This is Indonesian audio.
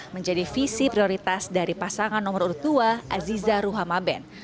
menjadi visi prioritas dari pasangan nomor urut dua aziza ruhamaben